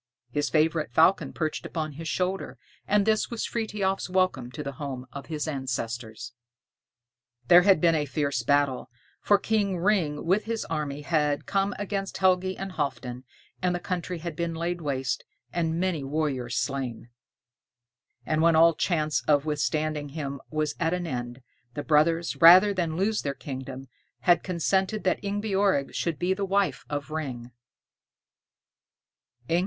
His favorite falcon perched upon his shoulder, and this was Frithiof's welcome to the home of his ancestors. There had been a fierce battle, for King Ring with his army had come against Helgi and Halfdan, and the country had been laid waste, and many warriors slain. And when all chance of withstanding him was at an end, the brothers, rather than lose their kingdom, had consented that Ingebjorg should be the wife of Ring.